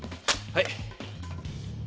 はい。